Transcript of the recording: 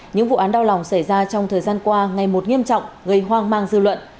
những vụ án đau lòng xảy ra trong thời gian qua ngày một nghiêm trọng gây hoang mang dư luận